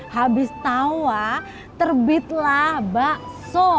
habis tawa terbitlah bakso